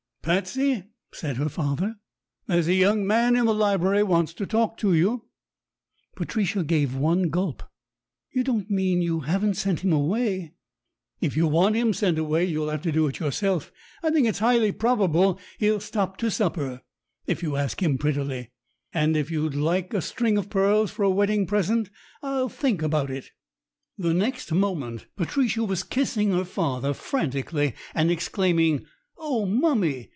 "Patsey," said her father, "there's a young man in the library wants to talk to you." Patricia gave one gulp. "You don't mean you haven't sent him away ?" "If you want him sent away, you'll have to do it yourself. I think it's highly probable he'll stop to supper, if you ask him prettily; and if you'd like a string of pearls for a wedding present, I'll think about it." The next moment Patricia was kissing her father frantically and exclaiming: "Oh, mummy!"